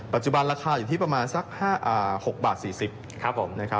ปัจจุบันราคาอยู่ที่ประมาณสัก๖บาท๔๐ผม